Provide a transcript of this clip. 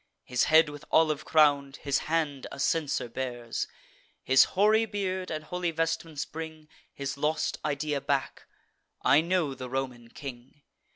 His head with olive crown'd, his hand a censer bears, His hoary beard and holy vestments bring His lost idea back: I know the Roman king.